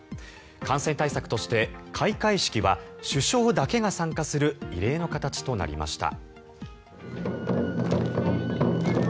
感染対策として開会式は主将だけが参加する異例の形となりました。